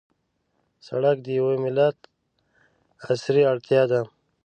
سړک د یوه ملت عصري اړتیا ده.